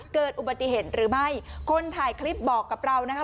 เกิดอุบัติเหตุหรือไม่คนถ่ายคลิปบอกกับเรานะคะ